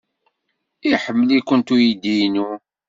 Iḥemmel-ikent uydi-inu.